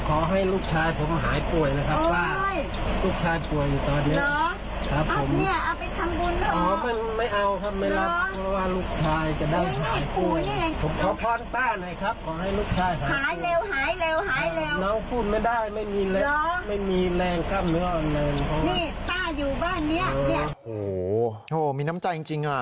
โอ้โหมีน้ำใจจริงอ่ะ